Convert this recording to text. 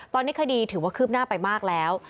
ตอนนี้คดีถือว่าคืบหน้าไปมากแล้ว